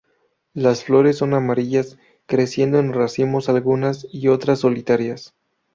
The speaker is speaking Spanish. Las flores son amarillas, creciendo en racimos algunas y otras solitarias.